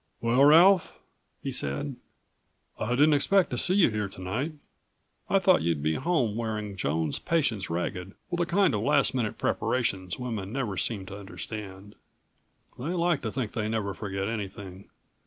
"Well, Ralph!" he said. "I didn't expect to see you here tonight. I thought you'd be home wearing Joan's patience ragged with the kind of last minute preparations women never seem to understand. They like to think they never forget anything.